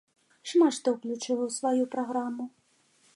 Шмат што ўключыла ў сваю праграму.